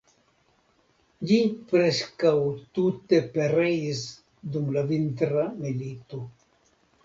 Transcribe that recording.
Ĝi preskaŭ tute pereis dum la vintra milito.